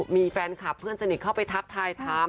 มีแฟนคลับเพื่อนสนิทเข้าไปทักทายถาม